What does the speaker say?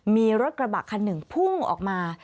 มีรถกระบะคันหนึ่งพุ่งออกมา